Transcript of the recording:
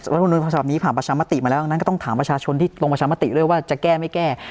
รัฐมณูนประชาบนี้ผ่านประชามติมาแล้วต้องถามประชาชนที่ลงประชามติเลยว่าจะแก้ไม่แก้